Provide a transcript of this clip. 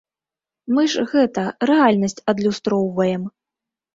Мы ж, гэта, рэальнасць адлюстроўваем.